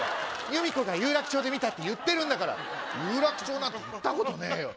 ユミコが有楽町で見たって言ってるんだから有楽町なんて行ったことねえよ